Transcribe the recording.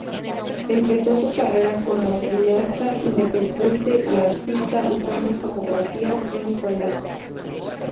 Empezó su carrera como cineasta independiente y artista, usando fotografías en "collages".